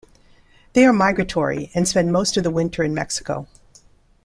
They are migratory and spend most of the winter in Mexico.